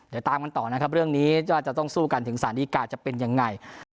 เดี๋ยวตามกันต่อนะครับเรื่องนี้ว่าจะต้องสู้กันถึงสารดีกาจะเป็นยังไง